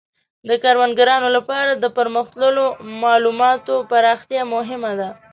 د کروندګرانو لپاره د پرمختللو مالوماتو پراختیا مهمه ده.